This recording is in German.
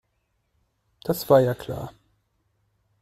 Das war ja klar.